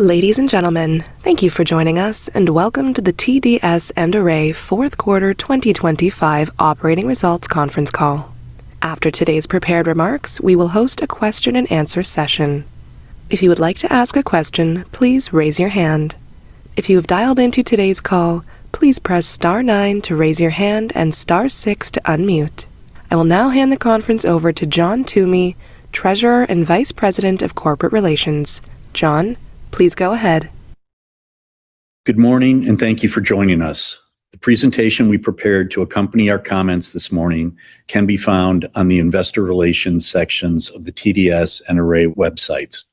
Ladies and gentlemen, thank you for joining us, and welcome to the TDS and Array Fourth Quarter 2025 Operating Results Conference Call. After today's prepared remarks, we will host a question and answer session. If you would like to ask a question, please raise your hand. If you have dialed into today's call, please press star nine to raise your hand and star six to unmute. I will now hand the conference over to John Toomey, Treasurer and Vice President of Corporate Relations. John, please go ahead. Good morning, and thank you for joining us. The presentation we prepared to accompany our comments this morning can be found on the investor relations sections of the TDS and Array websites.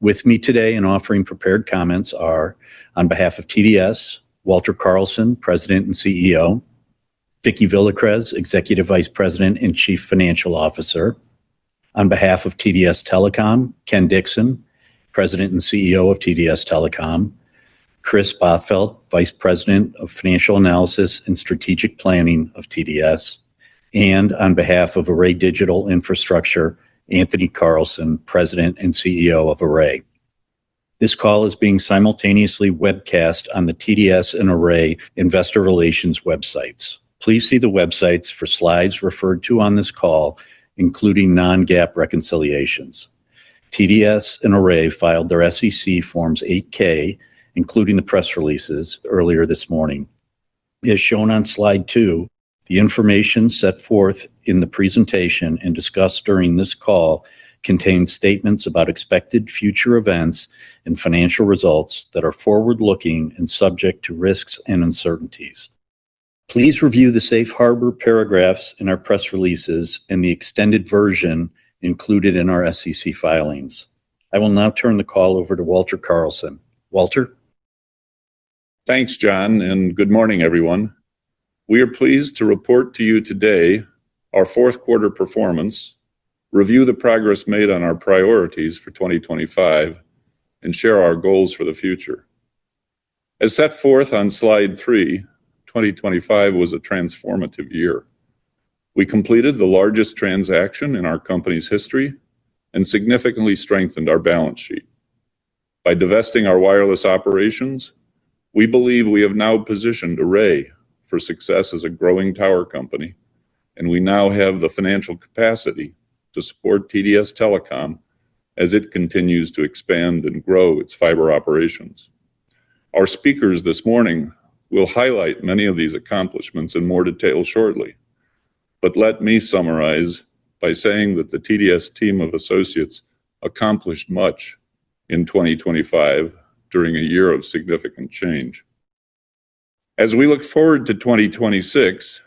With me today and offering prepared comments are, on behalf of TDS, Walter Carlson, President and CEO, Vicki Villacrez, Executive Vice President and Chief Financial Officer. On behalf of TDS Telecom, Ken Dixon, President and CEO of TDS Telecom, Chris Bothfeld, Vice President of Financial Analysis and Strategic Planning of TDS, and on behalf of Array Digital Infrastructure, Anthony Carlson, President and CEO of Array. This call is being simultaneously webcast on the TDS and Array investor relations websites. Please see the websites for slides referred to on this call, including non-GAAP reconciliations. TDS and Array filed their SEC Forms 8-K, including the press releases earlier this morning. As shown on slide 2, the information set forth in the presentation and discussed during this call contains statements about expected future events and financial results that are forward-looking and subject to risks and uncertainties. Please review the safe harbor paragraphs in our press releases and the extended version included in our SEC filings. I will now turn the call over to Walter Carlson. Walter? Thanks, John, and good morning, everyone. We are pleased to report to you today our fourth quarter performance, review the progress made on our priorities for 2025, and share our goals for the future. As set forth on slide 3, 2025 was a transformative year. We completed the largest transaction in our company's history and significantly strengthened our balance sheet. By divesting our wireless operations, we believe we have now positioned Array for success as a growing tower company, and we now have the financial capacity to support TDS Telecom as it continues to expand and grow its fiber operations. Our speakers this morning will highlight many of these accomplishments in more detail shortly, but let me summarize by saying that the TDS team of associates accomplished much in 2025 during a year of significant change. As we look forward to 2026,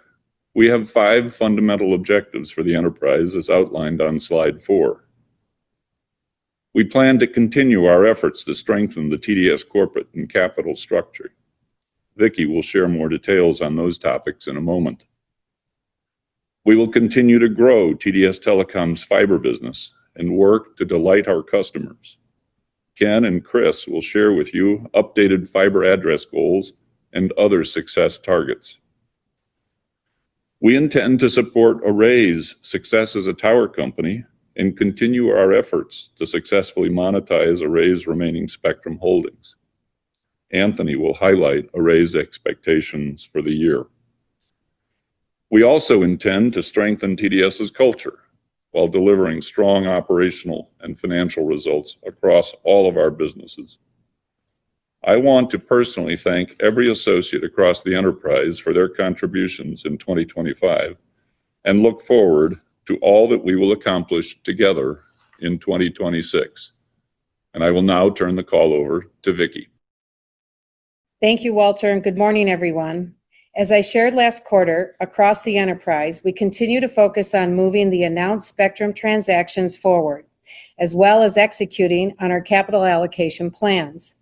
we have five fundamental objectives for the enterprise, as outlined on slide 4. We plan to continue our efforts to strengthen the TDS corporate and capital structure. Vicki will share more details on those topics in a moment. We will continue to grow TDS Telecom's fiber business and work to delight our customers. Ken and Chris will share with you updated fiber address goals and other success targets. We intend to support Array's success as a tower company and continue our efforts to successfully monetize Array's remaining spectrum holdings. Anthony will highlight Array's expectations for the year. We also intend to strengthen TDS's culture while delivering strong operational and financial results across all of our businesses. I want to personally thank every associate across the enterprise for their contributions in 2025 and look forward to all that we will accomplish together in 2026. I will now turn the call over to Vicki. Thank you, Walter, and good morning, everyone. As I shared last quarter, across the enterprise, we continue to focus on moving the announced spectrum transactions forward, as well as executing on our capital allocation plans.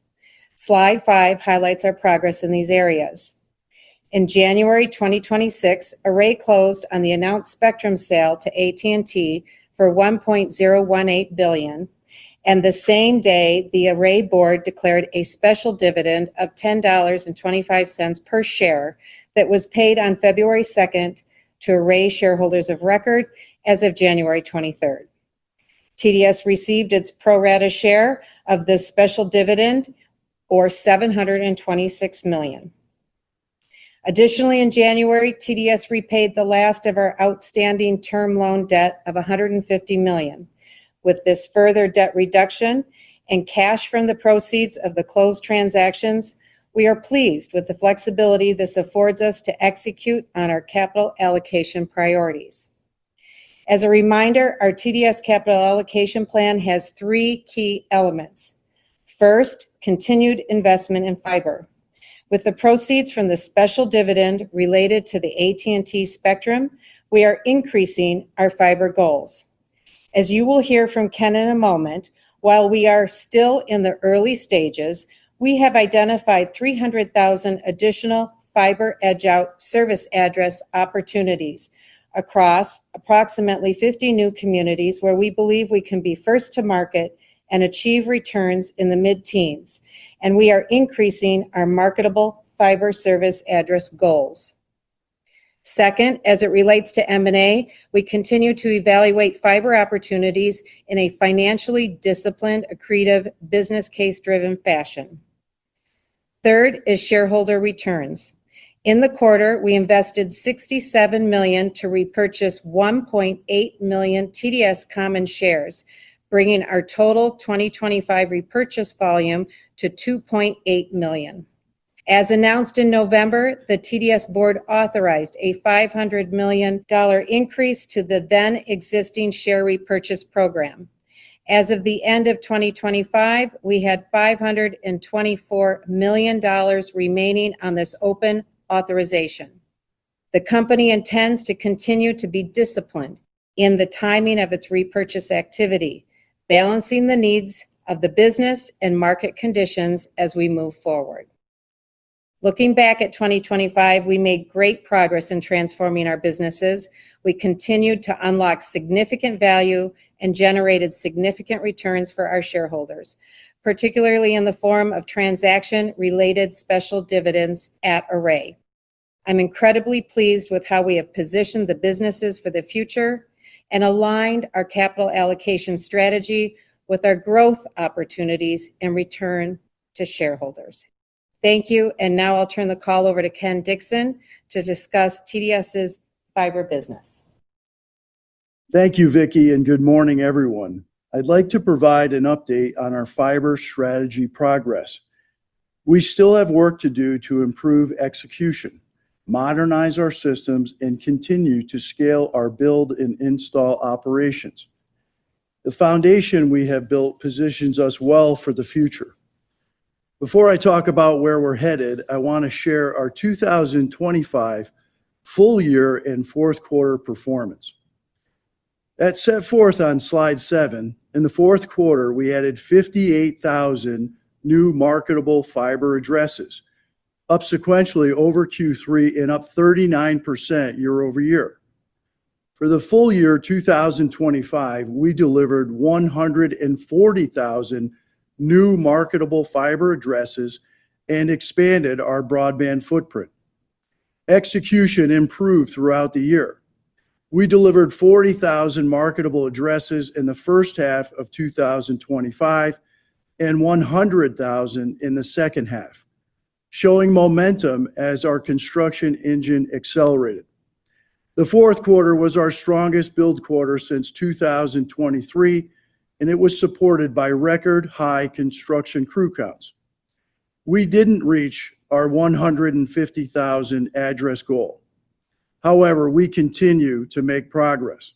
Slide 5 highlights our progress in these areas. In January 2026, Array closed on the announced spectrum sale to AT&T for $1.018 billion, and the same day, the Array board declared a special dividend of $10.25 per share that was paid on February 2 to Array shareholders of record as of January 23. TDS received its pro rata share of this special dividend, or $726 million. Additionally, in January, TDS repaid the last of our outstanding term loan debt of $150 million. With this further debt reduction and cash from the proceeds of the closed transactions, we are pleased with the flexibility this affords us to execute on our capital allocation priorities. As a reminder, our TDS capital allocation plan has three key elements. First, continued investment in fiber. With the proceeds from the special dividend related to the AT&T spectrum, we are increasing our fiber goals. As you will hear from Ken in a moment, while we are still in the early stages, we have identified 300,000 additional fiber edge out service address opportunities across approximately 50 new communities where we believe we can be first to market and achieve returns in the mid-teens, and we are increasing our marketable fiber service address goals. Second, as it relates to M&A, we continue to evaluate fiber opportunities in a financially disciplined, accretive, business case-driven fashion. Third is shareholder returns. In the quarter, we invested $67 million to repurchase 1.8 million TDS common shares, bringing our total 2025 repurchase volume to 2.8 million. As announced in November, the TDS board authorized a $500 million increase to the then existing share repurchase program. As of the end of 2025, we had $524 million remaining on this open authorization. The company intends to continue to be disciplined in the timing of its repurchase activity, balancing the needs of the business and market conditions as we move forward. Looking back at 2025, we made great progress in transforming our businesses. We continued to unlock significant value and generated significant returns for our shareholders, particularly in the form of transaction-related special dividends at Array. I'm incredibly pleased with how we have positioned the businesses for the future and aligned our capital allocation strategy with our growth opportunities and return to shareholders. Thank you, and now I'll turn the call over to Ken Dixon to discuss TDS's fiber business. Thank you, Vicki, and good morning, everyone. I'd like to provide an update on our fiber strategy progress. We still have work to do to improve execution, modernize our systems, and continue to scale our build and install operations. The foundation we have built positions us well for the future. Before I talk about where we're headed, I want to share our 2025 full year and fourth quarter performance. As set forth on slide 7, in the fourth quarter, we added 58,000 new marketable fiber addresses, up sequentially over Q3 and up 39% year-over-year. For the full year 2025, we delivered 140,000 new marketable fiber addresses and expanded our broadband footprint. Execution improved throughout the year. We delivered 40,000 marketable addresses in the first half of 2025 and 100,000 in the second half, showing momentum as our construction engine accelerated. The fourth quarter was our strongest build quarter since 2023, and it was supported by record-high construction crew counts. We didn't reach our 150,000 address goal. However, we continue to make progress.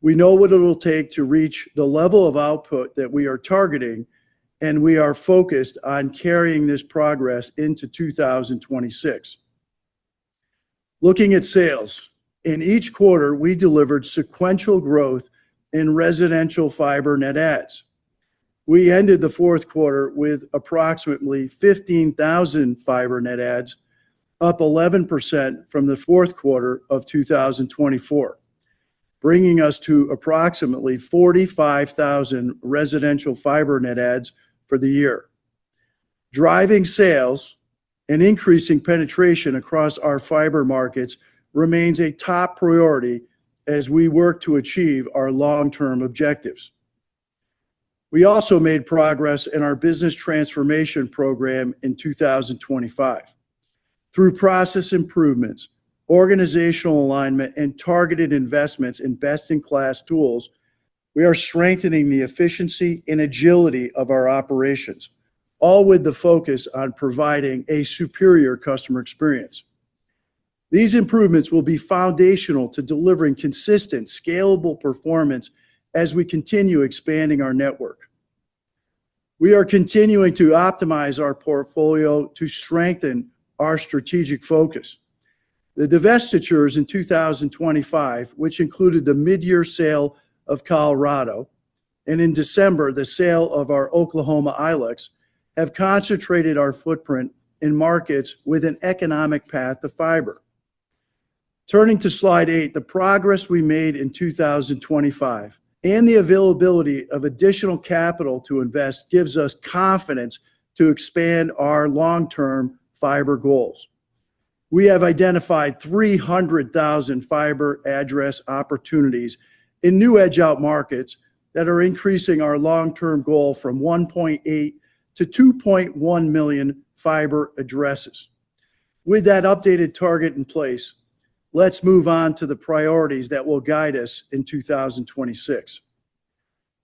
We know what it will take to reach the level of output that we are targeting, and we are focused on carrying this progress into 2026. Looking at sales, in each quarter, we delivered sequential growth in residential fiber net adds. We ended the fourth quarter with approximately 15,000 fiber net adds, up 11% from the fourth quarter of 2024, bringing us to approximately 45,000 residential fiber net adds for the year. Driving sales and increasing penetration across our fiber markets remains a top priority as we work to achieve our long-term objectives. We also made progress in our business transformation program in 2025. Through process improvements, organizational alignment, and targeted investments in best-in-class tools, we are strengthening the efficiency and agility of our operations, all with the focus on providing a superior customer experience. These improvements will be foundational to delivering consistent, scalable performance as we continue expanding our network. We are continuing to optimize our portfolio to strengthen our strategic focus. The divestitures in 2025, which included the mid-year sale of Colorado, and in December, the sale of our Oklahoma ILEC, have concentrated our footprint in markets with an economic path to fiber. Turning to slide eight, the progress we made in 2025 and the availability of additional capital to invest gives us confidence to expand our long-term fiber goals. We have identified 300,000 fiber address opportunities in new edge-out markets that are increasing our long-term goal from 1.8 to 2.1 million fiber addresses. With that updated target in place, let's move on to the priorities that will guide us in 2026.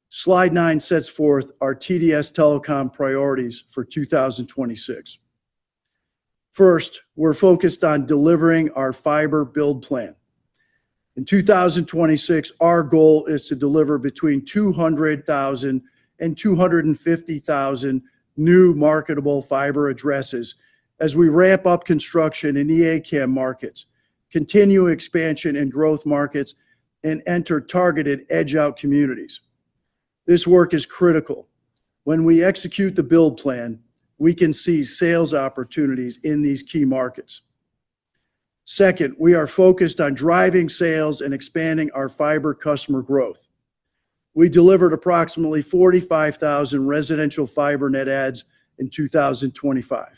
Slide nine sets forth our TDS Telecom priorities for 2026. First, we're focused on delivering our fiber build plan. In 2026, our goal is to deliver between 200,000 and 250,000 new marketable fiber addresses as we ramp up construction in the EA-CAM markets, continue expansion in growth markets, and enter targeted edge-out communities. This work is critical. When we execute the build plan, we can see sales opportunities in these key markets. Second, we are focused on driving sales and expanding our fiber customer growth... We delivered approximately 45,000 residential fiber net adds in 2025.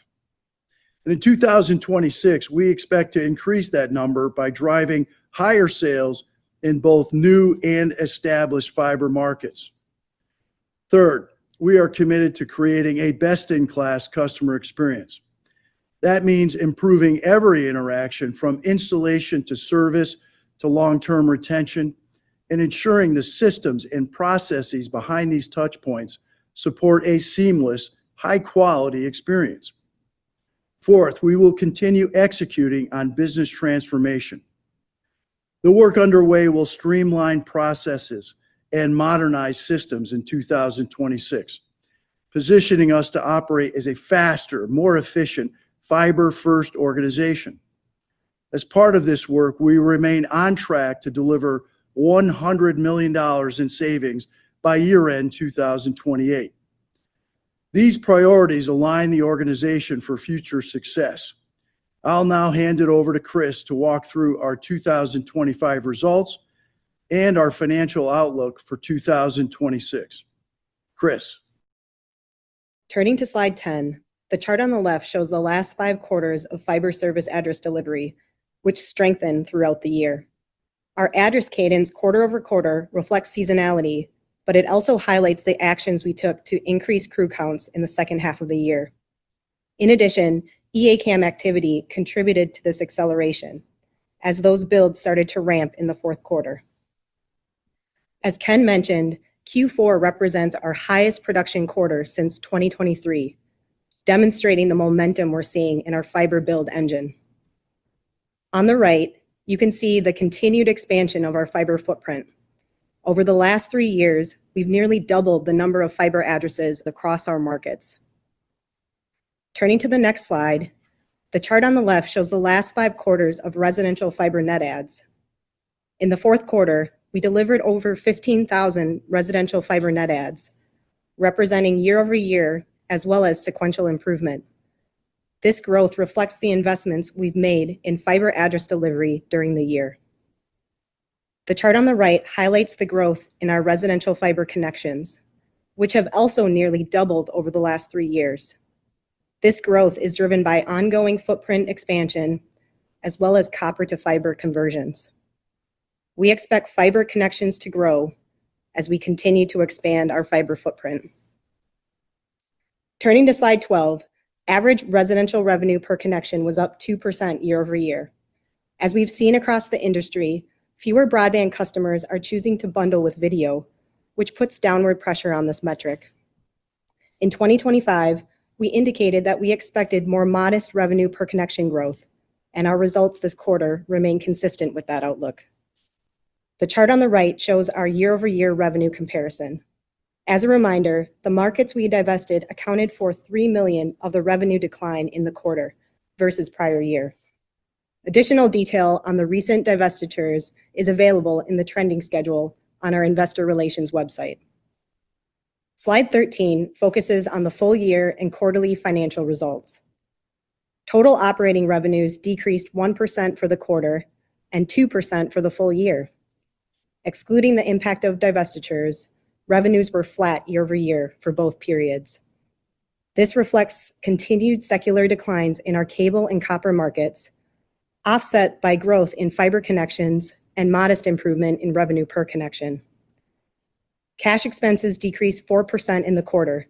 In 2026, we expect to increase that number by driving higher sales in both new and established fiber markets. Third, we are committed to creating a best-in-class customer experience. That means improving every interaction, from installation to service to long-term retention, and ensuring the systems and processes behind these touchpoints support a seamless, high-quality experience. Fourth, we will continue executing on business transformation. The work underway will streamline processes and modernize systems in 2026, positioning us to operate as a faster, more efficient, fiber-first organization. As part of this work, we remain on track to deliver $100 million in savings by year-end 2028. These priorities align the organization for future success. I'll now hand it over to Chris to walk through our 2025 results and our financial outlook for 2026. Chris? Turning to Slide 10, the chart on the left shows the last five quarters of fiber service address delivery, which strengthened throughout the year. Our address cadence, quarter-over-quarter, reflects seasonality, but it also highlights the actions we took to increase crew counts in the second half of the year. In addition, EA-CAM activity contributed to this acceleration as those builds started to ramp in the fourth quarter. As Ken mentioned, Q4 represents our highest production quarter since 2023, demonstrating the momentum we're seeing in our fiber build engine. On the right, you can see the continued expansion of our fiber footprint. Over the last three years, we've nearly doubled the number of fiber addresses across our markets. Turning to the next slide, the chart on the left shows the last five quarters of residential fiber net adds. In the fourth quarter, we delivered over 15,000 residential fiber net adds, representing year-over-year as well as sequential improvement. This growth reflects the investments we've made in fiber address delivery during the year. The chart on the right highlights the growth in our residential fiber connections, which have also nearly doubled over the last three years. This growth is driven by ongoing footprint expansion as well as copper-to-fiber conversions. We expect fiber connections to grow as we continue to expand our fiber footprint. Turning to Slide 12, average residential revenue per connection was up 2% year-over-year. As we've seen across the industry, fewer broadband customers are choosing to bundle with video, which puts downward pressure on this metric. In 2025, we indicated that we expected more modest revenue per connection growth, and our results this quarter remain consistent with that outlook. The chart on the right shows our year-over-year revenue comparison. As a reminder, the markets we divested accounted for $3 million of the revenue decline in the quarter versus prior year. Additional detail on the recent divestitures is available in the trending schedule on our investor relations website. Slide 13 focuses on the full year and quarterly financial results. Total operating revenues decreased 1% for the quarter and 2% for the full year. Excluding the impact of divestitures, revenues were flat year over year for both periods. This reflects continued secular declines in our cable and copper markets, offset by growth in fiber connections and modest improvement in revenue per connection. Cash expenses decreased 4% in the quarter,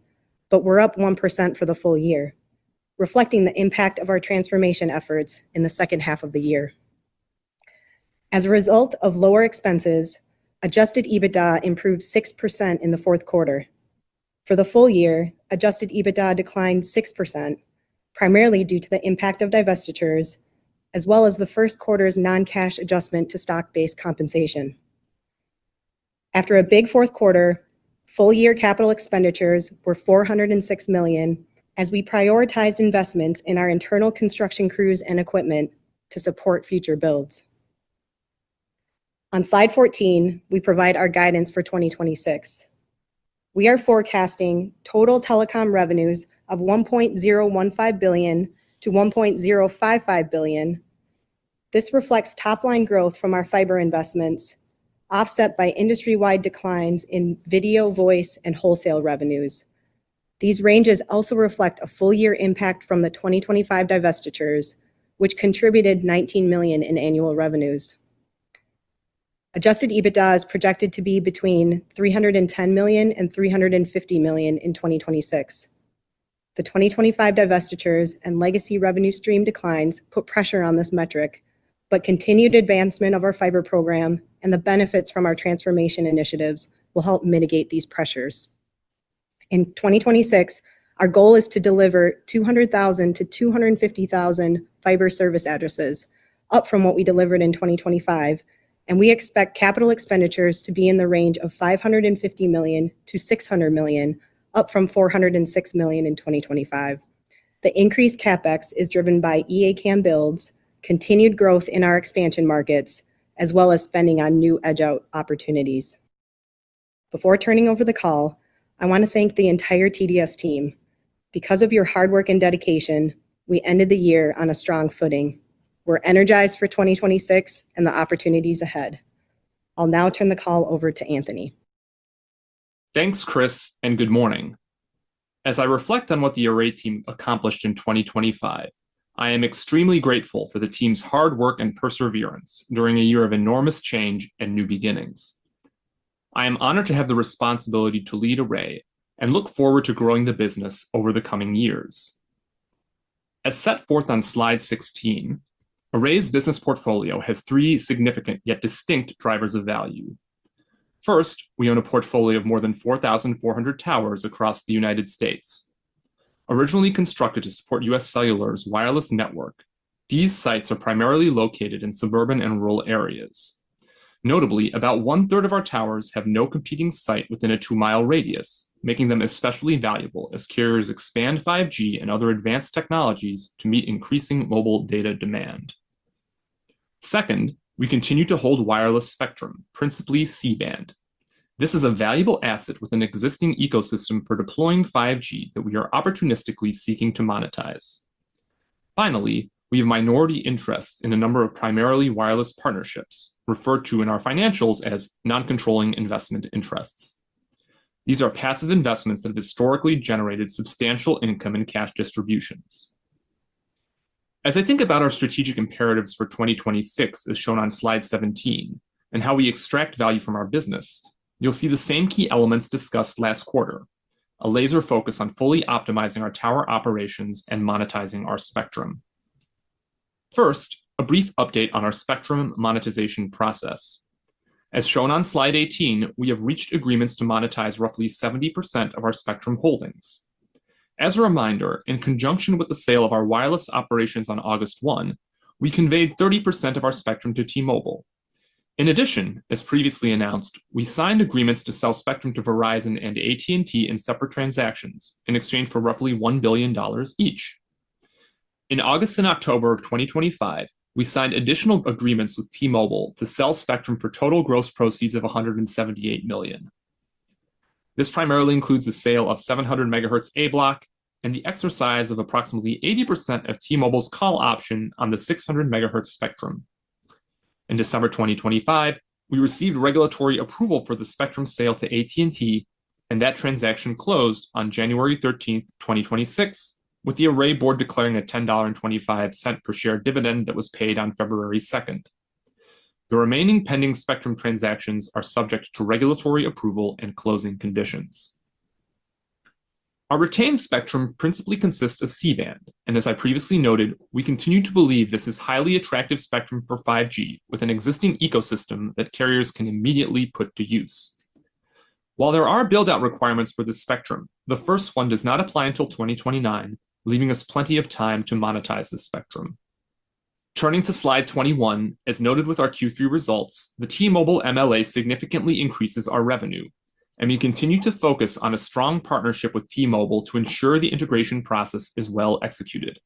but were up 1% for the full year, reflecting the impact of our transformation efforts in the second half of the year. As a result of lower expenses, Adjusted EBITDA improved 6% in the fourth quarter. For the full year, Adjusted EBITDA declined 6%, primarily due to the impact of divestitures, as well as the first quarter's non-cash adjustment to stock-based compensation. After a big fourth quarter, full-year capital expenditures were $406 million, as we prioritized investments in our internal construction crews and equipment to support future builds. On Slide 14, we provide our guidance for 2026. We are forecasting total telecom revenues of $1.015 billion-$1.055 billion. This reflects top-line growth from our fiber investments, offset by industry-wide declines in video, voice, and wholesale revenues. These ranges also reflect a full-year impact from the 2025 divestitures, which contributed $19 million in annual revenues. Adjusted EBITDA is projected to be between $310 million and $350 million in 2026. The 2025 divestitures and legacy revenue stream declines put pressure on this metric, but continued advancement of our fiber program and the benefits from our transformation initiatives will help mitigate these pressures. In 2026, our goal is to deliver 200,000-250,000 fiber service addresses, up from what we delivered in 2025, and we expect capital expenditures to be in the range of $550 million-$600 million, up from $406 million in 2025. The increased CapEx is driven by EA-CAM builds, continued growth in our expansion markets, as well as spending on new edge-out opportunities. Before turning over the call, I want to thank the entire TDS team-... Because of your hard work and dedication, we ended the year on a strong footing. We're energized for 2026 and the opportunities ahead. I'll now turn the call over to Anthony. Thanks, Chris, and good morning. As I reflect on what the Array team accomplished in 2025, I am extremely grateful for the team's hard work and perseverance during a year of enormous change and new beginnings. I am honored to have the responsibility to lead Array and look forward to growing the business over the coming years. As set forth on slide 16, Array's business portfolio has three significant, yet distinct drivers of value. First, we own a portfolio of more than 4,400 towers across the United States. Originally constructed to support UScellular's wireless network, these sites are primarily located in suburban and rural areas. Notably, about one-third of our towers have no competing site within a 2-mile radius, making them especially valuable as carriers expand 5G and other advanced technologies to meet increasing mobile data demand. Second, we continue to hold wireless spectrum, principally C-band. This is a valuable asset with an existing ecosystem for deploying 5G that we are opportunistically seeking to monetize. Finally, we have minority interests in a number of primarily wireless partnerships, referred to in our financials as non-controlling investment interests. These are passive investments that have historically generated substantial income and cash distributions. As I think about our strategic imperatives for 2026, as shown on Slide 17, and how we extract value from our business, you'll see the same key elements discussed last quarter. A laser focus on fully optimizing our tower operations and monetizing our spectrum. First, a brief update on our spectrum monetization process. As shown on Slide 18, we have reached agreements to monetize roughly 70% of our spectrum holdings. As a reminder, in conjunction with the sale of our wireless operations on August 1, we conveyed 30% of our spectrum to T-Mobile. In addition, as previously announced, we signed agreements to sell spectrum to Verizon and AT&T in separate transactions in exchange for roughly $1 billion each. In August and October of 2025, we signed additional agreements with T-Mobile to sell spectrum for total gross proceeds of $178 million. This primarily includes the sale of 700 megahertz A block and the exercise of approximately 80% of T-Mobile's call option on the 600 megahertz spectrum. In December 2025, we received regulatory approval for the spectrum sale to AT&T, and that transaction closed on January 13, 2026, with the Array board declaring a $10.25 per share dividend that was paid on February 2. The remaining pending spectrum transactions are subject to regulatory approval and closing conditions. Our retained spectrum principally consists of C-band, and as I previously noted, we continue to believe this is highly attractive spectrum for 5G, with an existing ecosystem that carriers can immediately put to use. While there are build-out requirements for this spectrum, the first one does not apply until 2029, leaving us plenty of time to monetize this spectrum. Turning to Slide 21, as noted with our Q3 results, the T-Mobile MLA significantly increases our revenue, and we continue to focus on a strong partnership with T-Mobile to ensure the integration process is well executed.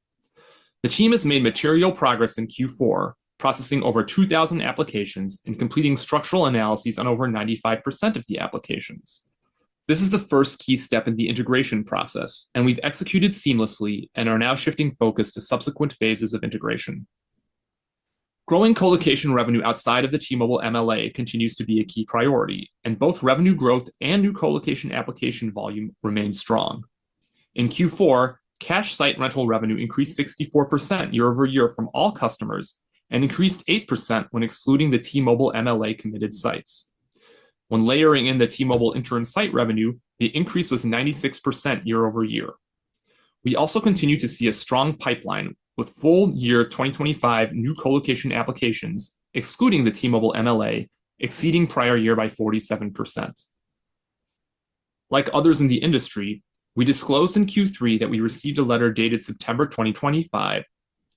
The team has made material progress in Q4, processing over 2,000 applications and completing structural analyses on over 95% of the applications. This is the first key step in the integration process, and we've executed seamlessly and are now shifting focus to subsequent phases of integration. Growing colocation revenue outside of the T-Mobile MLA continues to be a key priority, and both revenue growth and new colocation application volume remain strong. In Q4, cash site rental revenue increased 64% year over year from all customers and increased 8% when excluding the T-Mobile MLA-committed sites. When layering in the T-Mobile interim site revenue, the increase was 96% year over year. We also continue to see a strong pipeline with full year 2025 new colocation applications, excluding the T-Mobile MLA, exceeding prior year by 47%. Like others in the industry, we disclosed in Q3 that we received a letter dated September 2025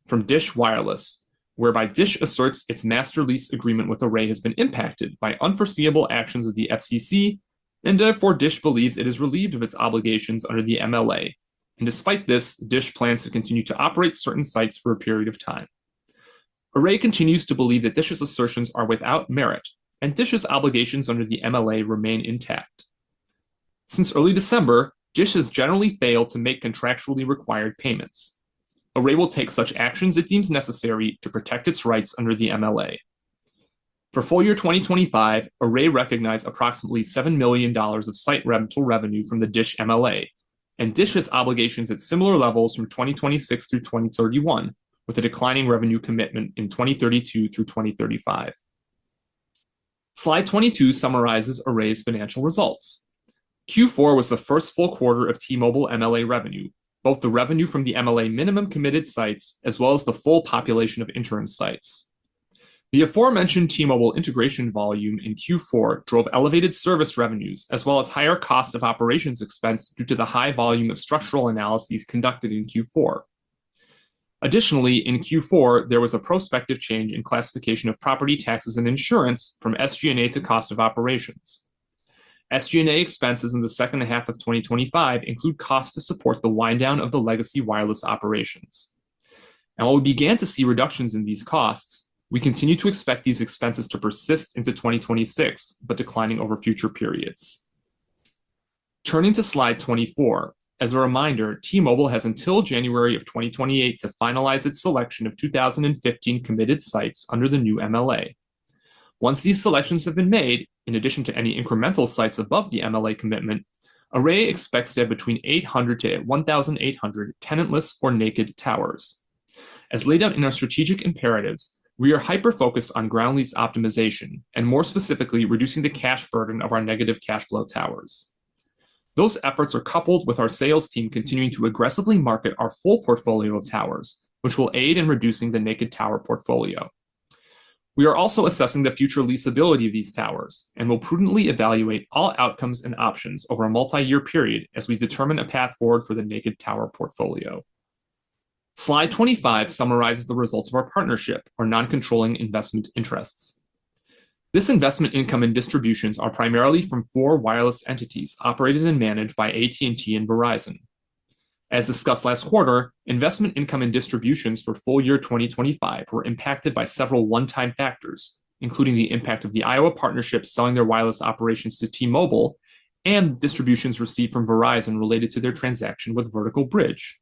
from DISH Wireless, whereby DISH asserts its master lease agreement with Array has been impacted by unforeseeable actions of the FCC, and therefore, DISH believes it is relieved of its obligations under the MLA. And despite this, DISH plans to continue to operate certain sites for a period of time. Array continues to believe that DISH's assertions are without merit and DISH's obligations under the MLA remain intact. Since early December, DISH has generally failed to make contractually required payments. Array will take such actions it deems necessary to protect its rights under the MLA. For full year 2025, Array recognized approximately $7 million of site rental revenue from the DISH MLA and DISH's obligations at similar levels from 2026 through 2031, with a declining revenue commitment in 2032 through 2035. Slide 22 summarizes Array's financial results. Q4 was the first full quarter of T-Mobile MLA revenue, both the revenue from the MLA minimum committed sites as well as the full population of interim sites. The aforementioned T-Mobile integration volume in Q4 drove elevated service revenues, as well as higher cost of operations expense due to the high volume of structural analyses conducted in Q4. Additionally, in Q4, there was a prospective change in classification of property taxes and insurance from SG&A to cost of operations. SG&A expenses in the second half of 2025 include costs to support the wind down of the legacy wireless operations.... While we began to see reductions in these costs, we continue to expect these expenses to persist into 2026, but declining over future periods. Turning to slide 24, as a reminder, T-Mobile has until January 2028 to finalize its selection of 2,015 committed sites under the new MLA. Once these selections have been made, in addition to any incremental sites above the MLA commitment, Array expects to have between 800-1,800 tenantless or naked towers. As laid out in our strategic imperatives, we are hyper-focused on ground lease optimization, and more specifically, reducing the cash burden of our negative cash flow towers. Those efforts are coupled with our sales team continuing to aggressively market our full portfolio of towers, which will aid in reducing the naked tower portfolio. We are also assessing the future leasability of these towers, and will prudently evaluate all outcomes and options over a multi-year period as we determine a path forward for the naked tower portfolio. Slide 25 summarizes the results of our partnership, our noncontrolling investment interests. This investment income and distributions are primarily from four wireless entities operated and managed by AT&T and Verizon. As discussed last quarter, investment income and distributions for full year 2025 were impacted by several one-time factors, including the impact of the Iowa partnership selling their wireless operations to T-Mobile and distributions received from Verizon related to their transaction with Vertical Bridge.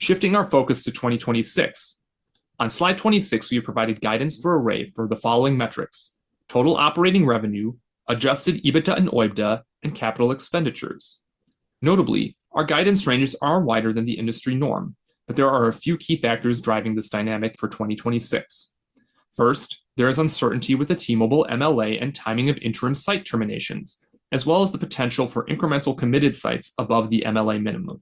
Shifting our focus to 2026, on slide 26, we have provided guidance for Array for the following metrics: total operating revenue, adjusted EBITDA and OIBDA, and capital expenditures. Notably, our guidance ranges are wider than the industry norm, but there are a few key factors driving this dynamic for 2026. First, there is uncertainty with the T-Mobile MLA and timing of interim site terminations, as well as the potential for incremental committed sites above the MLA minimum.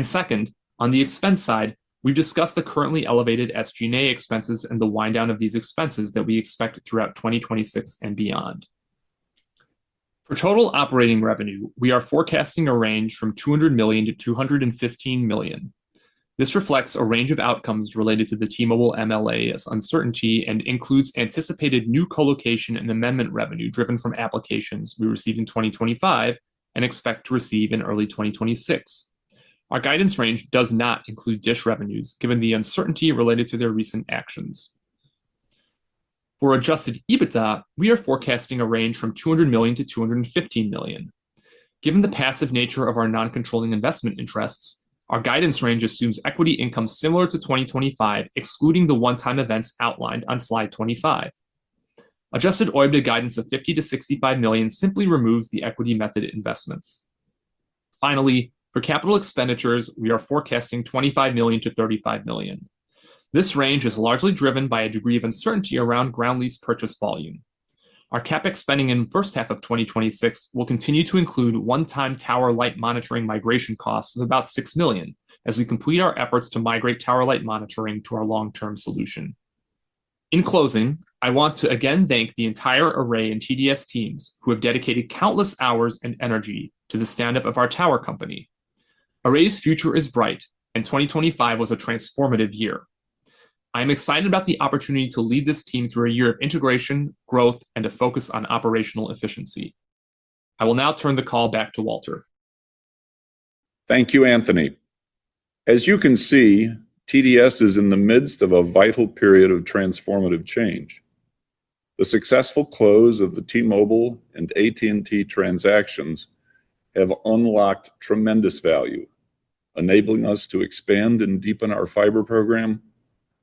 Second, on the expense side, we've discussed the currently elevated SG&A expenses and the wind down of these expenses that we expect throughout 2026 and beyond. For total operating revenue, we are forecasting a range from $200 million-$215 million. This reflects a range of outcomes related to the T-Mobile MLA as uncertainty and includes anticipated new colocation and amendment revenue driven from applications we received in 2025 and expect to receive in early 2026. Our guidance range does not include DISH revenues, given the uncertainty related to their recent actions. For adjusted EBITDA, we are forecasting a range from $200 million-$215 million. Given the passive nature of our non-controlling investment interests, our guidance range assumes equity income similar to 2025, excluding the one-time events outlined on slide 25. Adjusted OIBDA guidance of $50 million-$65 million simply removes the equity method investments. Finally, for capital expenditures, we are forecasting $25 million-$35 million. This range is largely driven by a degree of uncertainty around ground lease purchase volume. Our CapEx spending in the first half of 2026 will continue to include one-time tower light monitoring migration costs of about $6 million as we complete our efforts to migrate tower light monitoring to our long-term solution. In closing, I want to again thank the entire Array and TDS teams, who have dedicated countless hours and energy to the stand-up of our tower company. Array's future is bright, and 2025 was a transformative year. I am excited about the opportunity to lead this team through a year of integration, growth, and a focus on operational efficiency. I will now turn the call back to Walter. Thank you, Anthony. As you can see, TDS is in the midst of a vital period of transformative change. The successful close of the T-Mobile and AT&T transactions have unlocked tremendous value, enabling us to expand and deepen our fiber program,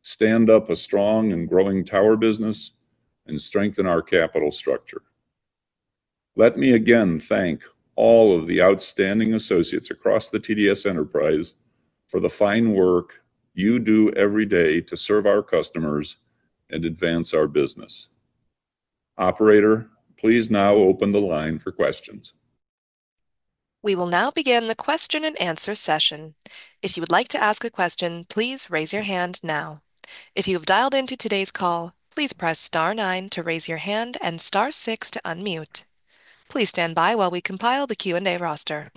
stand up a strong and growing tower business, and strengthen our capital structure. Let me again thank all of the outstanding associates across the TDS enterprise for the fine work you do every day to serve our customers and advance our business. Operator, please now open the line for questions. We will now begin the question-and-answer session. If you would like to ask a question, please raise your hand now. If you have dialed into today's call, please press star nine to raise your hand and star six to unmute. Please stand by while we compile the Q&A roster.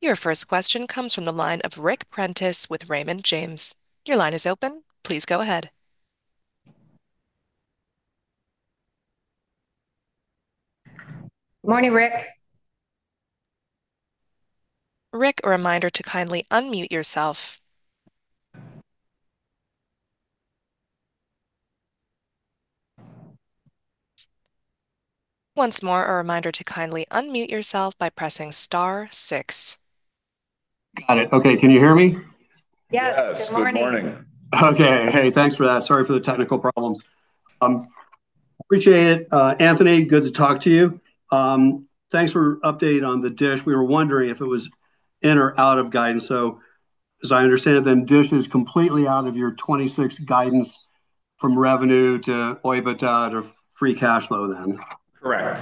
Your first question comes from the line of Richard Prentiss with Raymond James. Your line is open. Please go ahead. Good morning, Richard. Richard, a reminder to kindly unmute yourself. Once more, a reminder to kindly unmute yourself by pressing star six. Got it. Okay, can you hear me? Yes. Yes. Good morning. Good morning. Okay. Hey, thanks for that. Sorry for the technical problems. Appreciate it. Anthony, good to talk to you. Thanks for update on the DISH. We were wondering if it was in or out of guidance, so as I understand it, then, DISH is completely out of your 2026 guidance from revenue to OIBDA to free cash flow, then? Correct.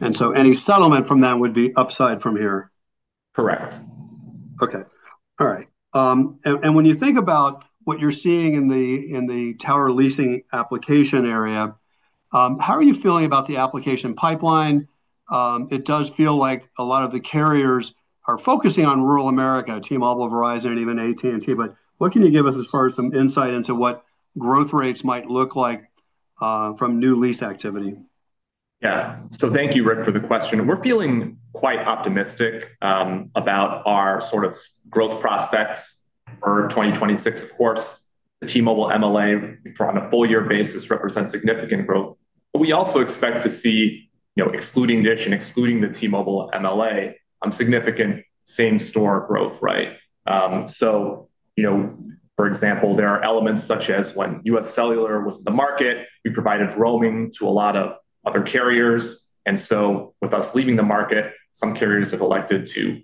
And so any settlement from that would be upside from here? Correct. Okay. All right, and, and when you think about what you're seeing in the, in the tower leasing application area, how are you feeling about the application pipeline? It does feel like a lot of the carriers are focusing on rural America, T-Mobile, Verizon, and even AT&T, but what can you give us as far as some insight into what growth rates might look like, from new lease activity? Yeah. Thank you, Richard, for the question, and we're feeling quite optimistic about our sort of growth prospects for 2026. Of course, the T-Mobile MLA, on a full-year basis, represents significant growth. We also expect to see, you know, excluding DISH and excluding the T-Mobile MLA, significant same-store growth, right? You know, for example, there are elements such as when UScellular was in the market, we provided roaming to a lot of other carriers. With us leaving the market, some carriers have elected to, you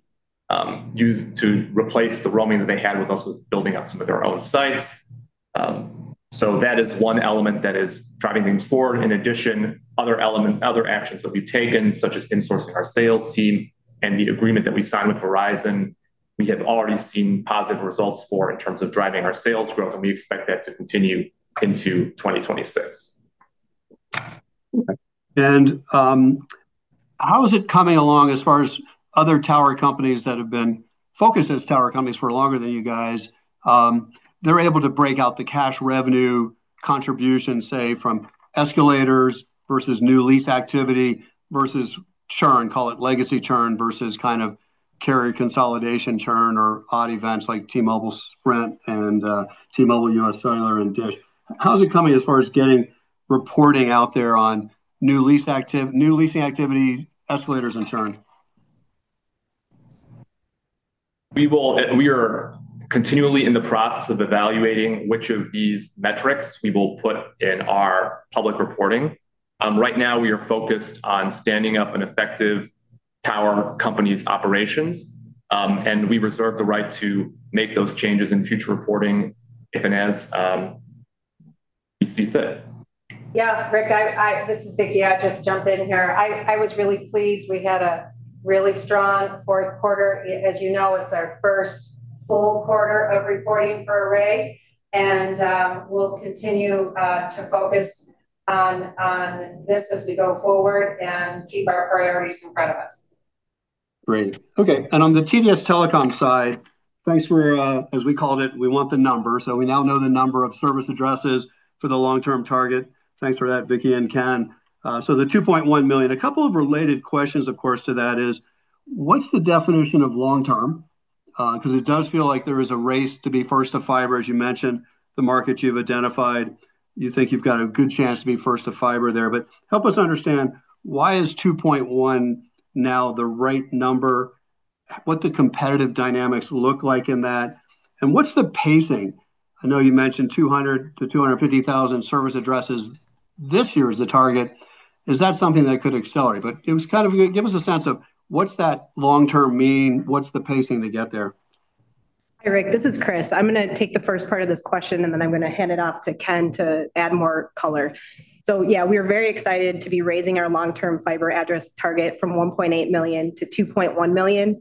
know, replace the roaming that they had with us with building out some of their own sites. That is one element that is driving things forward. In addition, other actions that we've taken, such as insourcing our sales team and the agreement that we signed with Verizon, we have already seen positive results for in terms of driving our sales growth, and we expect that to continue into 2026. How is it coming along as far as other tower companies that have been focused as tower companies for longer than you guys? They're able to break out the cash revenue contribution, say, from escalators versus new lease activity versus churn, call it legacy churn, versus kind of carrier consolidation churn or odd events like T-Mobile, Sprint, and T-Mobile, US Cellular, and DISH. How's it coming as far as getting reporting out there on new leasing activity, escalators, and churn? We are continually in the process of evaluating which of these metrics we will put in our public reporting. Right now, we are focused on standing up an effective tower company's operations, and we reserve the right to make those changes in future reporting if and as we see fit. Yeah, Richard, this is Vicki. I'll just jump in here. I was really pleased we had a really strong fourth quarter. As you know, it's our first full quarter of reporting for Array, and we'll continue to focus on this as we go forward and keep our priorities in front of us. Great. Okay, and on the TDS Telecom side, thanks for, as we called it, we want the number. So we now know the number of service addresses for the long-term target. Thanks for that, Vicki and Ken. So the 2.1 million. A couple of related questions, of course, to that is, what's the definition of long term? Because it does feel like there is a race to be first to fiber. As you mentioned, the market you've identified, you think you've got a good chance to be first to fiber there. But help us understand, why is 2.1 now the right number? What the competitive dynamics look like in that, and what's the pacing? I know you mentioned 200-250 thousand service addresses this year is the target. Is that something that could accelerate? It was kind of... Give us a sense of what's that long term mean? What's the pacing to get there? Hey, Rick, this is Chris. I'm going to take the first part of this question, and then I'm going to hand it off to Ken to add more color. So yeah, we are very excited to be raising our long-term fiber address target from 1.8 million to 2.1 million.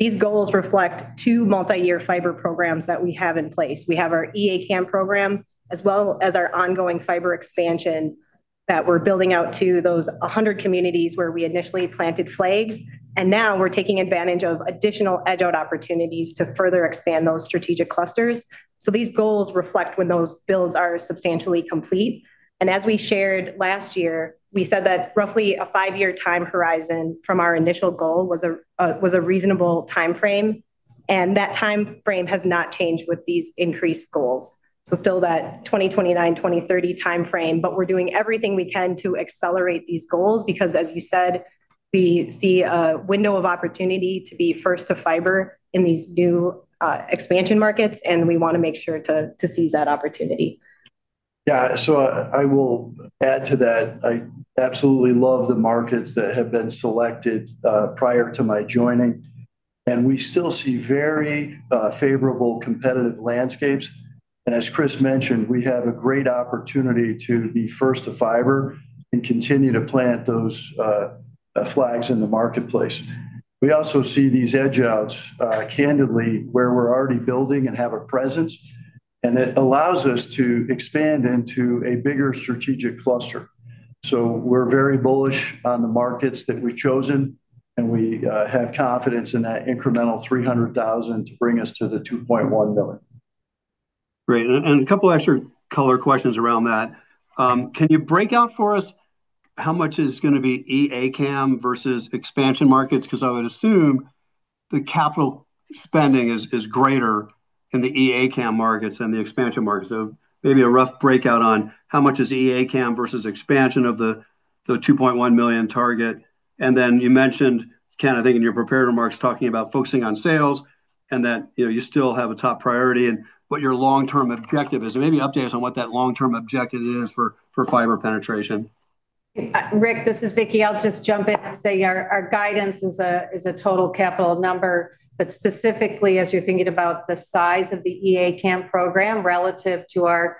These goals reflect two multi-year fiber programs that we have in place. We have our EA-CAM program, as well as our ongoing fiber expansion that we're building out to those 100 communities where we initially planted flags. And now we're taking advantage of additional edge-out opportunities to further expand those strategic clusters. So these goals reflect when those builds are substantially complete. As we shared last year, we said that roughly a five-year time horizon from our initial goal was a, was a reasonable timeframe, and that timeframe has not changed with these increased goals. Still that 2029, 2030 timeframe, but we're doing everything we can to accelerate these goals because, as you said, we see a window of opportunity to be first to fiber in these new, expansion markets, and we want to make sure to seize that opportunity. Yeah. So I, I will add to that. I absolutely love the markets that have been selected prior to my joining, and we still see very favorable competitive landscapes. And as Chris mentioned, we have a great opportunity to be first to fiber and continue to plant those flags in the marketplace. We also see these edge-outs candidly, where we're already building and have a presence, and it allows us to expand into a bigger strategic cluster. So we're very bullish on the markets that we've chosen, and we have confidence in that incremental 300,000 to bring us to the 2.1 million. Great. And a couple extra color questions around that. Can you break out for us how much is going to be EA-CAM versus expansion markets? Because I would assume the capital spending is greater in the EA-CAM markets than the expansion markets. So maybe a rough breakout on how much is EA-CAM versus expansion of the 2.1 million target. And then you mentioned, Ken, I think in your prepared remarks, talking about focusing on sales and that, you know, you still have a top priority and what your long-term objective is. So maybe update us on what that long-term objective is for fiber penetration. Rick, this is Vicki. I'll just jump in and say our guidance is a total capital number, but specifically, as you're thinking about the size of the EA-CAM program relative to our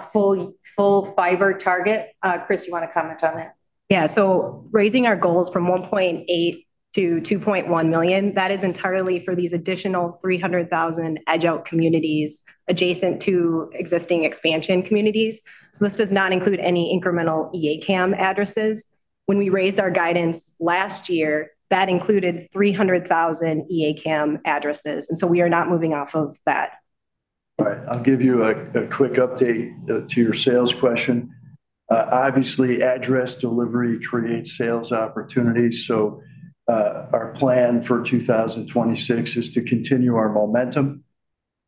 full fiber target. Chris, you want to comment on that? Yeah, so raising our goals from 1.8 to 2.1 million, that is entirely for these additional 300,000 edge-out communities adjacent to existing expansion communities. So this does not include any incremental EA-CAM addresses. When we raised our guidance last year, that included 300,000 EA-CAM addresses, and so we are not moving off of that.... All right, I'll give you a quick update to your sales question. Obviously, address delivery creates sales opportunities, so our plan for 2026 is to continue our momentum.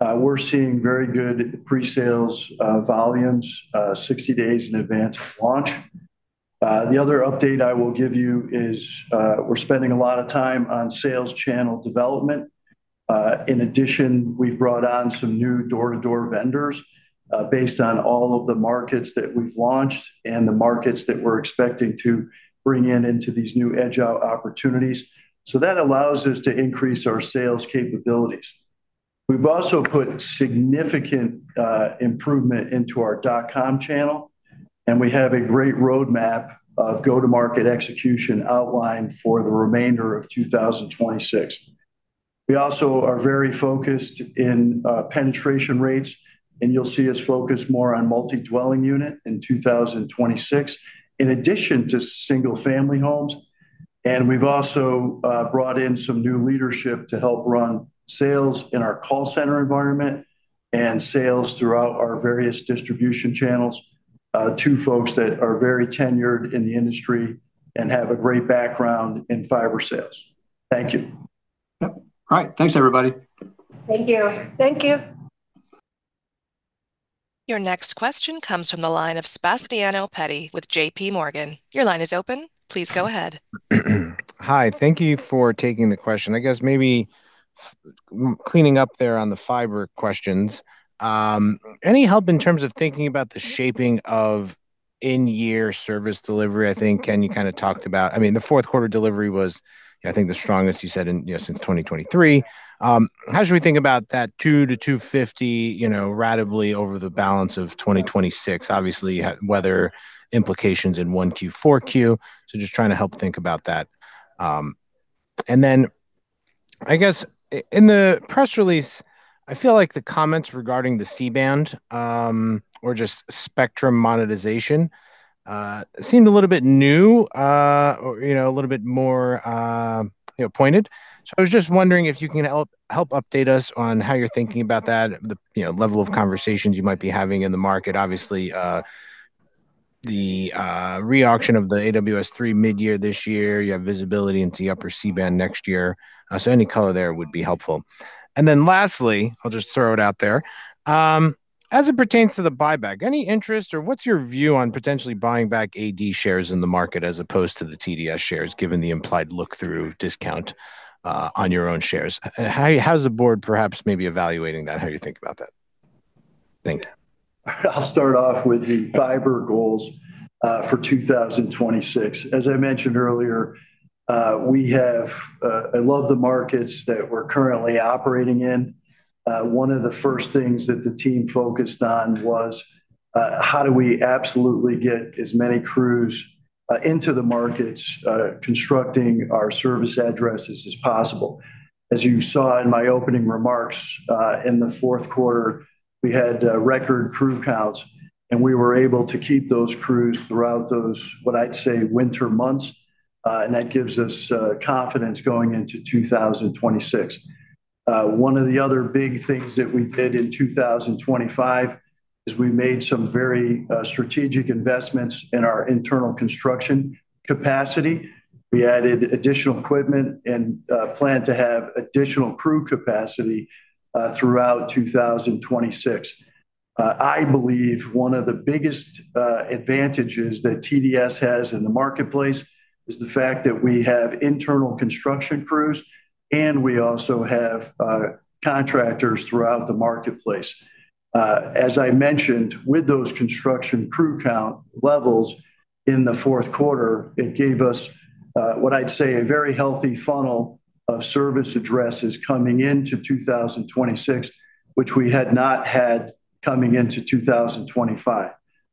We're seeing very good pre-sales volumes 60 days in advance of launch. The other update I will give you is we're spending a lot of time on sales channel development. In addition, we've brought on some new door-to-door vendors based on all of the markets that we've launched and the markets that we're expecting to bring in into these new Edge-out opportunities. So that allows us to increase our sales capabilities. We've also put significant improvement into our dot-com channel, and we have a great roadmap of go-to-market execution outlined for the remainder of 2026. We also are very focused in penetration rates, and you'll see us focus more on multi-dwelling unit in 2026, in addition to single-family homes. We've also brought in some new leadership to help run sales in our call center environment and sales throughout our various distribution channels to folks that are very tenured in the industry and have a great background in fiber sales. Thank you. Yep. All right. Thanks, everybody. Thank you. Thank you. Your next question comes from the line of Sebastiano Petti with J.P. Morgan. Your line is open. Please go ahead. Hi, thank you for taking the question. I guess maybe cleaning up there on the fiber questions, any help in terms of thinking about the shaping of in-year service delivery? I think, Ken, you kind of talked about... I mean, the fourth quarter delivery was, I think, the strongest you said in, you know, since 2023. I mean, how should we think about that 200-250, you know, ratably over the balance of 2026? Obviously, you have weather implications in 1Q, 4Q, so just trying to help think about that. I guess in the press release, I feel like the comments regarding the C-band, or just spectrum monetization, seemed a little bit new, or, you know, a little bit more, you know, pointed. I was just wondering if you can help, help update us on how you're thinking about that, the, you know, level of conversations you might be having in the market. Obviously, the re-auction of the AWS-3 mid-year this year, you have visibility into upper C-band next year. So any color there would be helpful. Lastly, I'll just throw it out there, as it pertains to the buyback, any interest or what's your view on potentially buying back AD shares in the market as opposed to the TDS shares, given the implied look-through discount on your own shares? How, how is the board perhaps maybe evaluating that? How do you think about that? Thank you. I'll start off with the fiber goals for 2026. As I mentioned earlier, we have. I love the markets that we're currently operating in. One of the first things that the team focused on was how do we absolutely get as many crews into the markets constructing our service addresses as possible? As you saw in my opening remarks, in the fourth quarter, we had record crew counts, and we were able to keep those crews throughout those, what I'd say, winter months, and that gives us confidence going into 2026. One of the other big things that we did in 2025 is we made some very strategic investments in our internal construction capacity. We added additional equipment and plan to have additional crew capacity throughout 2026. I believe one of the biggest advantages that TDS has in the marketplace is the fact that we have internal construction crews, and we also have contractors throughout the marketplace. As I mentioned, with those construction crew count levels in the fourth quarter, it gave us what I'd say, a very healthy funnel of service addresses coming into 2026, which we had not had coming into 2025.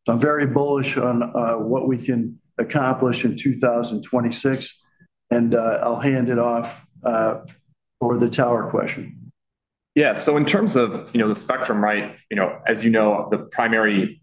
So I'm very bullish on what we can accomplish in 2026, and I'll hand it off for the tower question. Yeah. So in terms of, you know, the spectrum, right, you know, as you know, the primary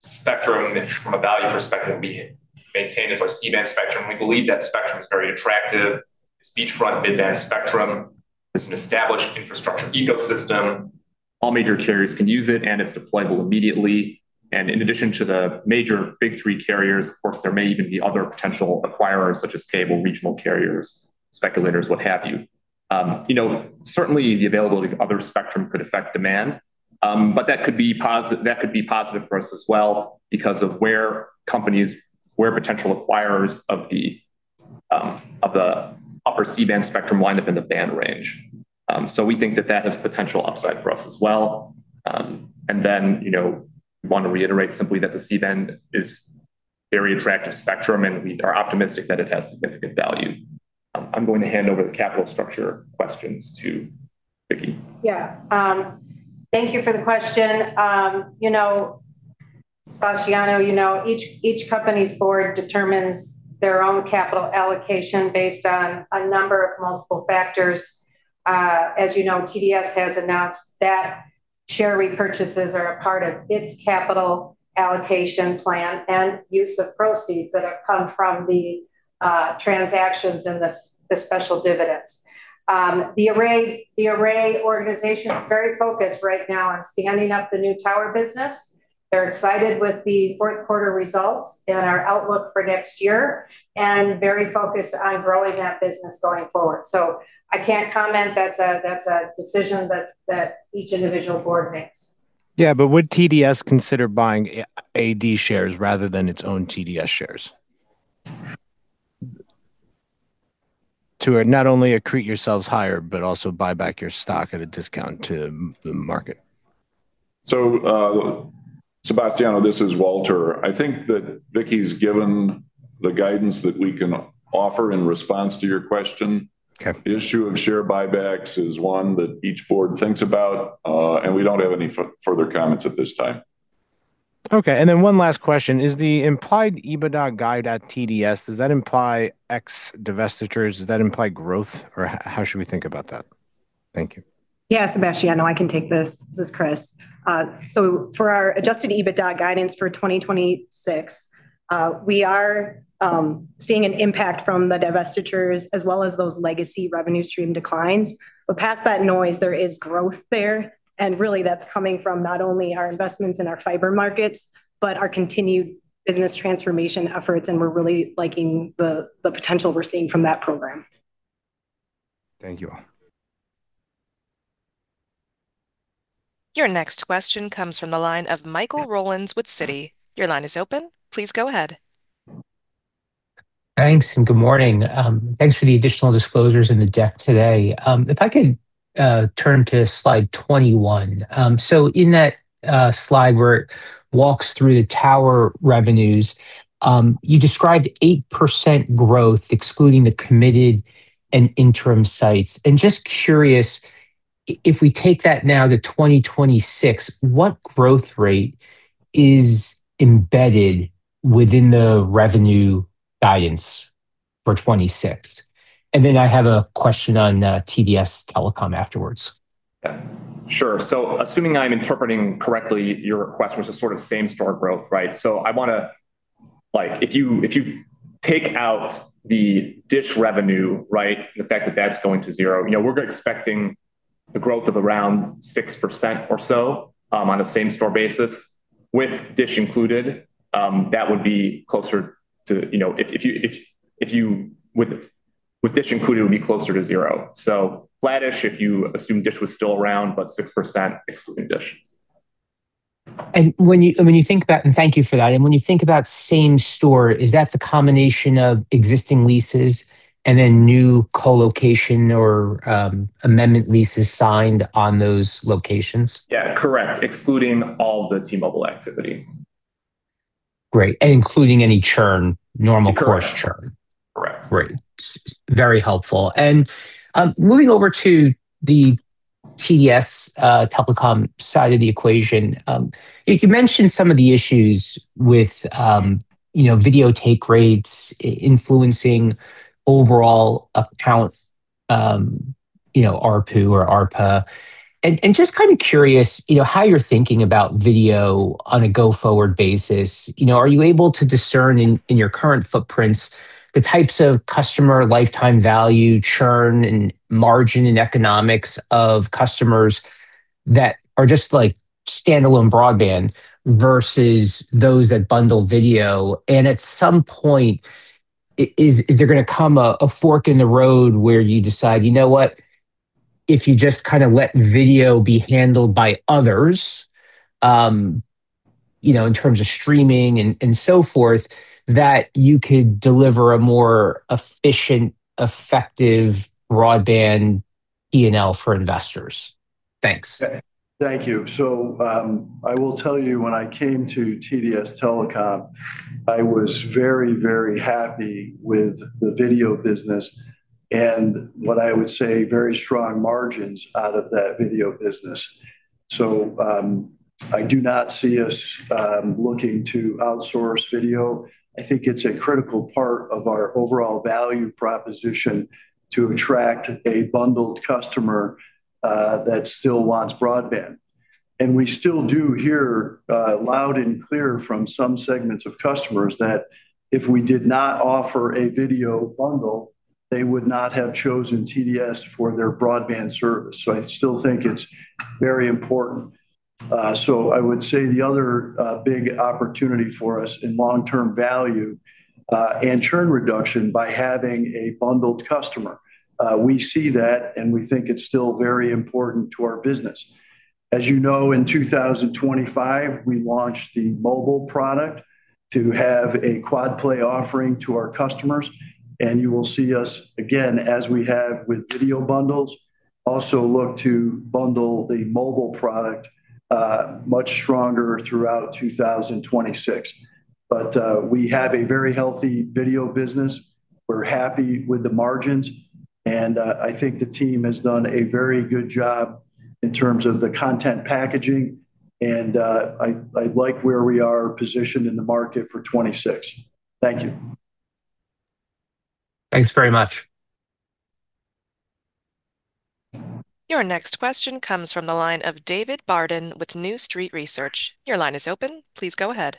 spectrum from a value perspective we maintain is our C-band spectrum. We believe that spectrum is very attractive. It's beachfront mid-band spectrum. It's an established infrastructure ecosystem. All major carriers can use it, and it's deployable immediately. And in addition to the major big three carriers, of course, there may even be other potential acquirers, such as cable, regional carriers, speculators, what have you. You know, certainly the availability of other spectrum could affect demand, but that could be positive for us as well because of where companies, where potential acquirers of the, of the upper C-band spectrum wind up in the band range. So we think that that has potential upside for us as well. And then, you know, we want to reiterate simply that the C-band is very attractive spectrum, and we are optimistic that it has significant value. I'm going to hand over the capital structure questions to Vicki. Yeah. Thank you for the question. You know, Sebastiano, you know, each company's board determines their own capital allocation based on a number of multiple factors. As you know, TDS has announced that share repurchases are a part of its capital allocation plan and use of proceeds that have come from the transactions and the special dividends. The Array organization is very focused right now on standing up the new tower business. They're excited with the fourth quarter results and our outlook for next year, and very focused on growing that business going forward. So I can't comment. That's a decision that each individual board makes. Yeah, but would TDS consider buying AD shares rather than its own TDS shares? To not only accrete yourselves higher, but also buy back your stock at a discount to the market. Sebastiano, this is Walter. I think that Vicki's given the guidance that we can offer in response to your question. Okay. The issue of share buybacks is one that each board thinks about, and we don't have any further comments at this time. Okay, and then one last question: Is the implied EBITDA guide at TDS, does that imply ex-divestitures? Does that imply growth, or how should we think about that? Thank you. Yeah, Sebastiano, I can take this. This is Chris. So for our Adjusted EBITDA guidance for 2026, we are seeing an impact from the divestitures as well as those legacy revenue stream declines. But past that noise, there is growth there, and really, that's coming from not only our investments in our fiber markets, but our continued business transformation efforts, and we're really liking the, the potential we're seeing from that program. Thank you all. Your next question comes from the line of Michael Rollins with Citi. Your line is open. Please go ahead. Thanks, and good morning. Thanks for the additional disclosures in the deck today. If I could, turn to slide 21. So in that, slide, where it walks through the tower revenues, you described 8% growth, excluding the committed and interim sites. Just curious, if we take that now to 2026, what growth rate is embedded within the revenue guidance for 2026? And then I have a question on TDS Telecom afterwards. Yeah, sure. So assuming I'm interpreting correctly, your request was a sort of same-store growth, right? So I want to—like, if you take out the DISH revenue, right, the fact that that's going to zero, you know, we're expecting a growth of around 6% or so on a same-store basis. With DISH included, that would be closer to... You know, with DISH included, it would be closer to zero. So flattish, if you assume DISH was still around, but 6% excluding DISH. And thank you for that. And when you think about same-store, is that the combination of existing leases and then new colocation or amendment leases signed on those locations? Yeah, correct. Excluding all the T-Mobile activity. Great, and including any churn, normal course churn? Correct. Great. Very helpful. And moving over to the TDS Telecom side of the equation. You mentioned some of the issues with, you know, video take rates influencing overall account, you know, ARPU or ARPA. And just kind of curious, you know, how you're thinking about video on a go-forward basis. You know, are you able to discern in your current footprints the types of customer lifetime value, churn, and margin and economics of customers that are just like standalone broadband versus those that bundle video? And at some point, is there going to come a fork in the road where you decide, you know what, if you just kind of let video be handled by others, you know, in terms of streaming and so forth, that you could deliver a more efficient, effective broadband E&L for investors? Thanks. Thank you. So, I will tell you, when I came to TDS Telecom, I was very, very happy with the video business and what I would say, very strong margins out of that video business. So, I do not see us looking to outsource video. I think it's a critical part of our overall value proposition to attract a bundled customer that still wants broadband. And we still do hear loud and clear from some segments of customers that if we did not offer a video bundle, they would not have chosen TDS for their broadband service, so I still think it's very important. So I would say the other big opportunity for us in long-term value and churn reduction by having a bundled customer, we see that, and we think it's still very important to our business. As you know, in 2025, we launched the mobile product to have a quad play offering to our customers, and you will see us again, as we have with video bundles, also look to bundle the mobile product much stronger throughout 2026. But we have a very healthy video business. We're happy with the margins, and I think the team has done a very good job in terms of the content packaging, and I, I like where we are positioned in the market for 2026. Thank you. Thanks very much. Your next question comes from the line of David Barden with New Street Research. Your line is open. Please go ahead.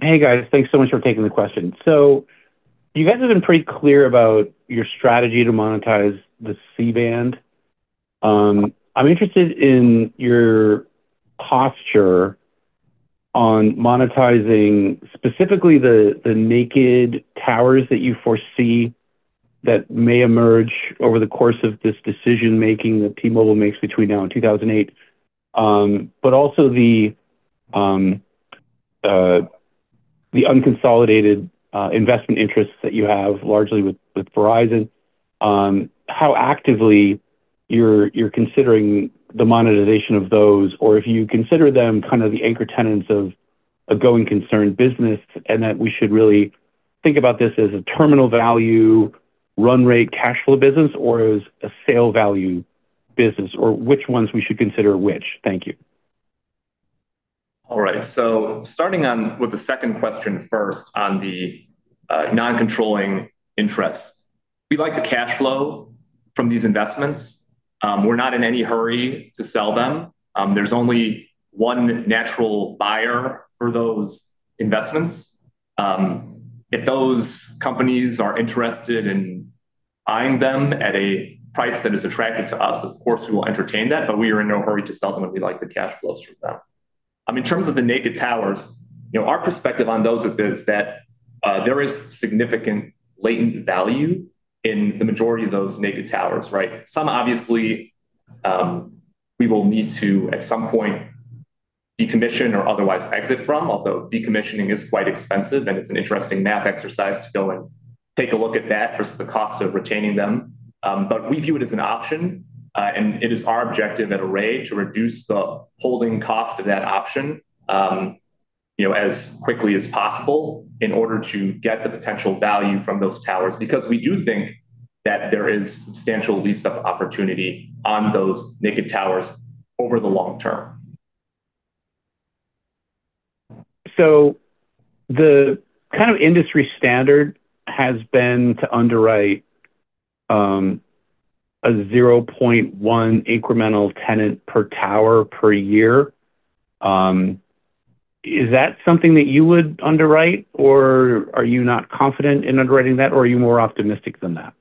Hey, guys. Thanks so much for taking the question. So you guys have been pretty clear about your strategy to monetize the C-band. I'm interested in your posture on monetizing, specifically the naked towers that you foresee that may emerge over the course of this decision-making that T-Mobile makes between now and 2008. But also the unconsolidated investment interests that you have largely with Verizon, how actively you're considering the monetization of those, or if you consider them kind of the anchor tenants of a going concern business, and that we should really think about this as a terminal value, run rate, cash flow business, or as a sale value business, or which ones we should consider which? Thank you. All right. So starting on with the second question first on the non-controlling interests. We like the cash flow from these investments. We're not in any hurry to sell them. There's only one natural buyer for those investments. If those companies are interested in buying them at a price that is attractive to us, of course, we will entertain that, but we are in no hurry to sell them, and we like the cash flows from them. In terms of the naked towers, you know, our perspective on those is this, that there is significant latent value in the majority of those naked towers, right? Obviously, we will need to, at some point, decommission or otherwise exit from, although decommissioning is quite expensive, and it's an interesting math exercise to go and take a look at that versus the cost of retaining them. But we view it as an option, and it is our objective at Array to reduce the holding cost of that option, you know, as quickly as possible in order to get the potential value from those towers. Because we do think that there is substantial lease of opportunity on those naked towers over the long term. The kind of industry standard has been to underwrite a 0.1 incremental tenant per tower per year. Is that something that you would underwrite, or are you not confident in underwriting that, or are you more optimistic than that?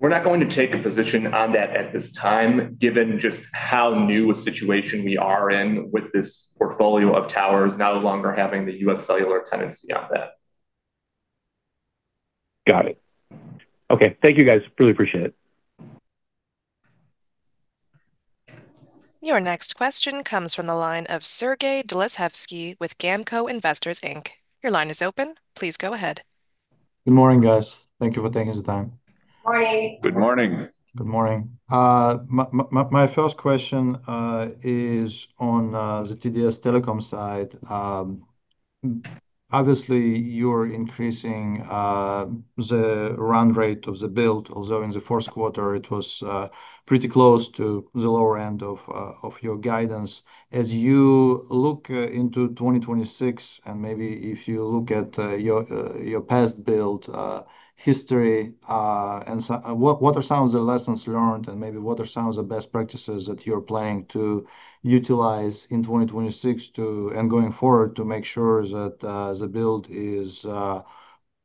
We're not going to take a position on that at this time, given just how new a situation we are in with this portfolio of towers, no longer having the UScellular tenancy on that. Got it. Okay. Thank you, guys. Really appreciate it. Your next question comes from the line of Sergey Dluzhevskiy with Gamco Investors Inc. Your line is open. Please go ahead. Good morning, guys. Thank you for taking the time. Good morning. Good morning. Good morning. My first question is on the TDS Telecom side. Obviously, you're increasing the run rate of the build, although in the fourth quarter it was pretty close to the lower end of your guidance. As you look into 2026, and maybe if you look at your past build history, and so... What are some of the lessons learned, and maybe what are some of the best practices that you're planning to utilize in 2026 and going forward, to make sure that the build is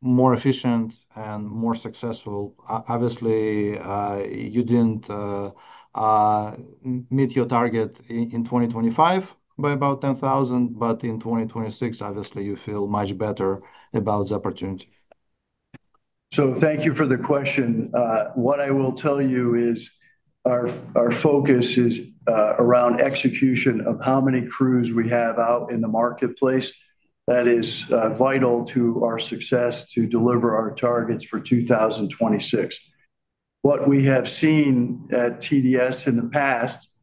more efficient and more successful? Obviously, you didn't meet your target in 2025 by about 10,000, but in 2026, obviously, you feel much better about the opportunity. So thank you for the question. What I will tell you is our focus is around execution of how many crews we have out in the marketplace. That is vital to our success to deliver our targets for 2026. What we have seen at TDS in the past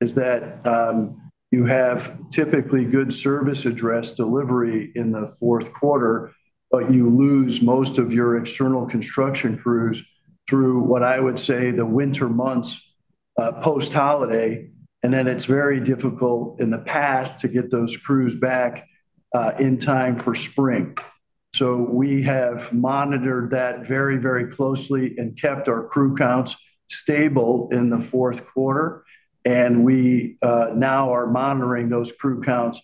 is that you have typically good service address delivery in the fourth quarter, but you lose most of your external construction crews through, what I would say, the winter months, post-holiday, and then it's very difficult in the past to get those crews back in time for spring. So we have monitored that very, very closely and kept our crew counts stable in the fourth quarter, and we now are monitoring those crew counts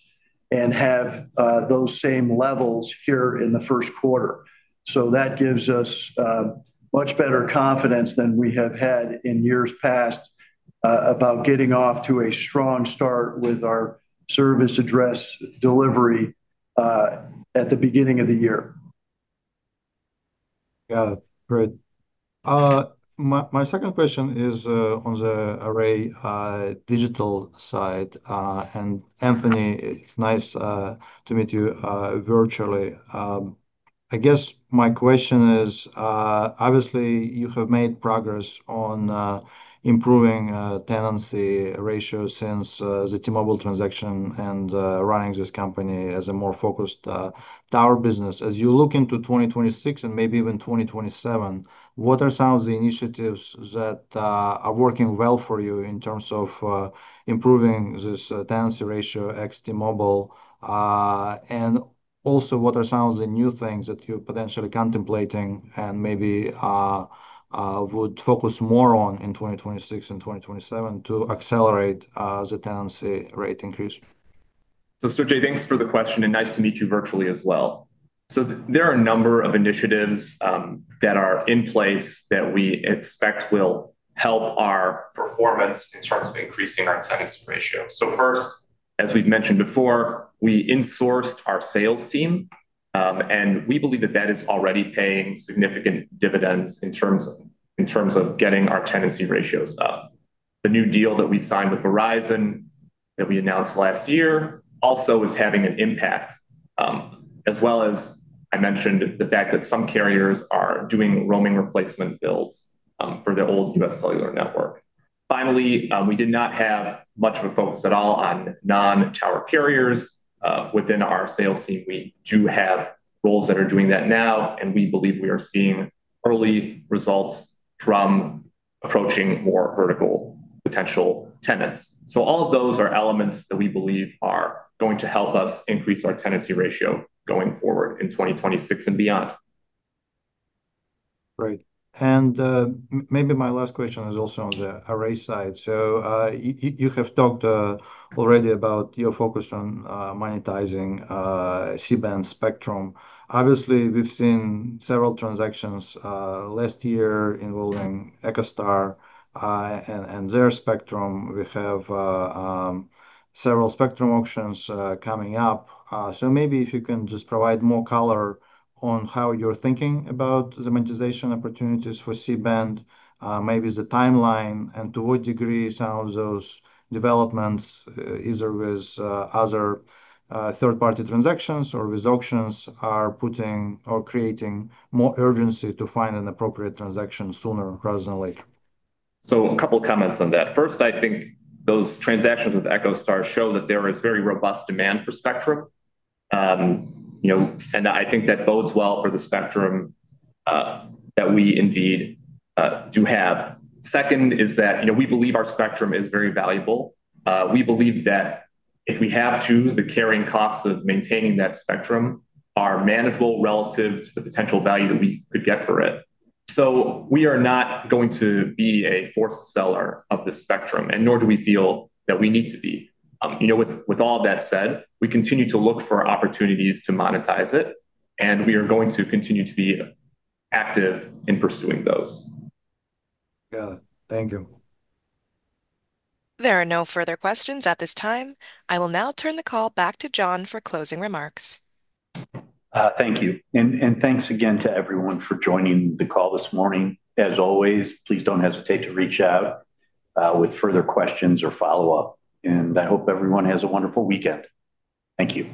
and have those same levels here in the first quarter. So that gives us much better confidence than we have had in years past about getting off to a strong start with our service address delivery at the beginning of the year. Got it. Great. My second question is on the Array digital side. And Anthony, it's nice to meet you virtually. I guess my question is, obviously, you have made progress on improving tenancy ratio since the T-Mobile transaction and running this company as a more focused tower business. As you look into 2026 and maybe even 2027, what are some of the initiatives that are working well for you in terms of improving this tenancy ratio ex T-Mobile? Also, what are some of the new things that you're potentially contemplating and maybe would focus more on in 2026 and 2027 to accelerate the tenancy rate increase? So, Sergey, thanks for the question, and nice to meet you virtually as well. So there are a number of initiatives, that are in place that we expect will help our performance in terms of increasing our tenancy ratio. So first, as we've mentioned before, we insourced our sales team, and we believe that that is already paying significant dividends in terms, in terms of getting our tenancy ratios up. The new deal that we signed with Verizon, that we announced last year, also is having an impact, as well as I mentioned, the fact that some carriers are doing roaming replacement builds, for their old U.S. cellular network. Finally, we did not have much of a focus at all on non-tower carriers. Within our sales team, we do have roles that are doing that now, and we believe we are seeing early results from approaching more vertical potential tenants. So all of those are elements that we believe are going to help us increase our tenancy ratio going forward in 2026 and beyond. Right. And, maybe my last question is also on the Array side. So, you have talked already about your focus on monetizing C-band spectrum. Obviously, we've seen several transactions last year involving EchoStar and their spectrum. We have several spectrum auctions coming up. So maybe if you can just provide more color on how you're thinking about the monetization opportunities for C-band, maybe the timeline, and to what degree some of those developments either with other third-party transactions or with auctions are putting or creating more urgency to find an appropriate transaction sooner rather than later. So a couple comments on that. First, I think those transactions with EchoStar show that there is very robust demand for spectrum. You know, and I think that bodes well for the spectrum that we indeed do have. Second is that, you know, we believe our spectrum is very valuable. We believe that if we have to, the carrying costs of maintaining that spectrum are manageable relative to the potential value that we could get for it. So we are not going to be a forced seller of the spectrum, and nor do we feel that we need to be. You know, with all that said, we continue to look for opportunities to monetize it, and we are going to continue to be active in pursuing those. Got it. Thank you. There are no further questions at this time. I will now turn the call back to John for closing remarks. Thank you. And thanks again to everyone for joining the call this morning. As always, please don't hesitate to reach out with further questions or follow-up, and I hope everyone has a wonderful weekend. Thank you.